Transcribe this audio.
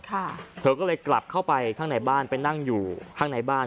เธอก็เลยกลับเข้าไปข้างในบ้านไปนั่งอยู่ข้างในบ้าน